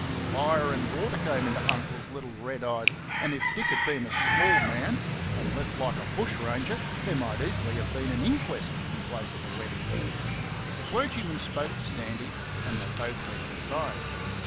Fire and water came into Uncle's little red eyes, and if Dick had been a small man and less like a bushranger there might easily have been an inquest in place of a wedding. The clergyman spoke to Sandy, and they both went inside.